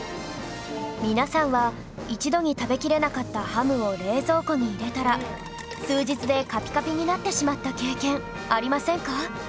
皆さんは一度に食べきれなかったハムを冷蔵庫に入れたら数日でカピカピになってしまった経験ありませんか？